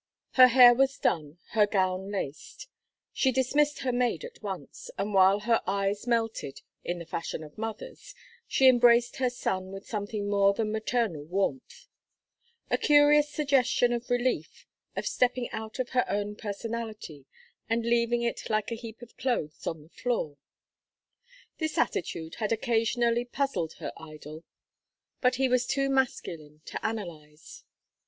Her hair was done, her gown laced; she dismissed her maid at once, and while her eyes melted, in the fashion of mothers, she embraced her son with something more than maternal warmth: a curious suggestion of relief, of stepping out of her own personality and leaving it like a heap of clothes on the floor. This attitude had occasionally puzzled her idol, but he was too masculine to analyze.